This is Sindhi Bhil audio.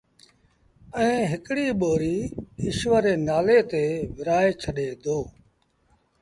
ائيٚݩ هڪڙيٚ ٻوريٚ ايٚشور ري نآلي تي ورهآئي ڇڏي دو